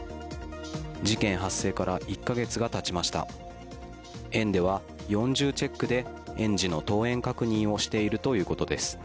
事件発生から１か月がたちました園では四重チェックで園児の登園確認をしているということです。